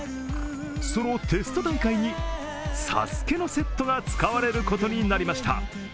そのテスト大会に「ＳＡＳＵＫＥ」のセットが使われることになりました。